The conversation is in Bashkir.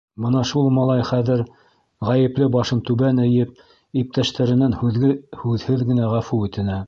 Бына шул малай хәҙер, ғәйепле башын түбән эйеп, иптәштәренән һүҙһеҙ генә ғәфү үтенә.